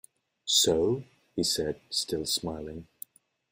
“So?” he said, still smiling.